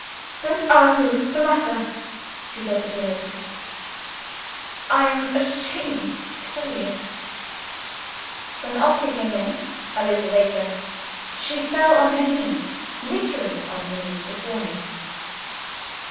"Don't ask what is the matter!" she said to me between her teeth. "I am ashamed to tell you." When Oscar came in, a little later, she fell on her knees literally on her knees before him.